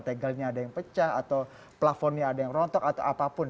tegelnya ada yang pecah atau plafonnya ada yang rontok atau apapun